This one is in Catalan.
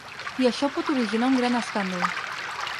I això pot originar un gran escàndol.